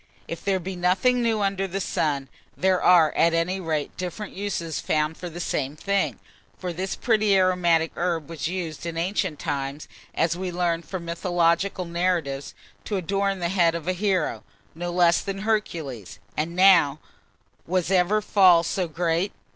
If there be nothing new under the sun, there are, at any rate, different uses found for the same thing; for this pretty aromatic herb was used in ancient times, as we learn from mythological narrative, to adorn the head of a hero, no less than Hercules; and now was ever fall so great?